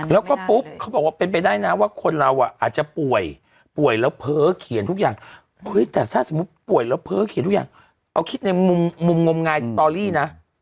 แล้วก็ปุ๊บเขาบอกว่าเป็นไปได้นะว่าคนเราอ่ะอาจจะป่วยป่วยแล้วเพ้อเขียนทุกอย่างเฮ้ยแต่ถ้าสมมุติป่วยแล้วเพ้อเขียนทุกอย่างเอาคิดในมุมงมงายสตอรี่นะ